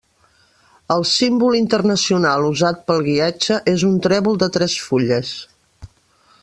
El símbol internacional usat pel guiatge és un trèvol de tres fulles.